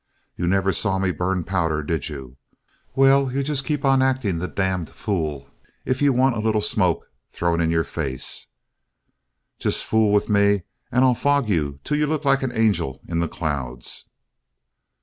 You never saw me burn powder, did you? Well, just you keep on acting the d fool if you want a little smoke thrown in your face. Just fool with me and I'll fog you till you look like an angel in the clouds."